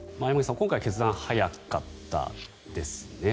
今回は決断が早かったですね。